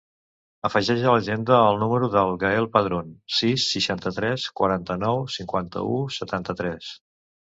Afegeix a l'agenda el número del Gael Padron: sis, seixanta-tres, quaranta-nou, cinquanta-u, setanta-tres.